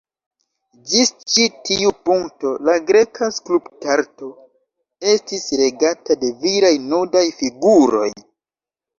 Ĝis ĉi tiu punkto, la greka skulptarto estis regata de viraj nudaj figuroj.